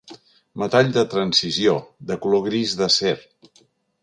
Metall de transició, de color gris d'acer.